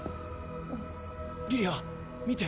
「リリハ見て」